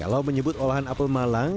kalau menyebut olahan apel malang